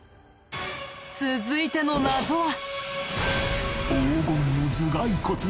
続いての謎は。